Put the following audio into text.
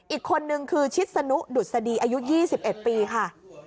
อีกคนนึงคือชิดสนุดุษฎีอายุ๒๑ปีค่ะ